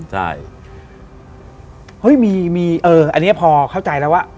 ใช่เฮ้ยมีอันนี้พอเข้าใจแล้วว่า